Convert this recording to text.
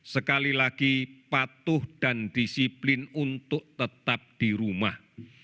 sekali lagi patuh dan disiplin untuk tetap di rumah